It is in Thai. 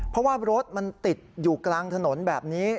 เพราะว่ารถมันติดอยู่กลางถนนแบบนี้